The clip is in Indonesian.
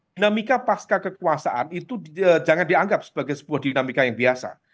dinamika pasca kekuasaan itu jangan dianggap sebagai sebuah dinamika yang biasa